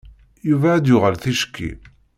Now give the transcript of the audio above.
Yuba ad d-yuɣal ticki.